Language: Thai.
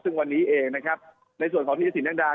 ซึ่งวันนี้เองนะครับในส่วนของธีรสินแดงดา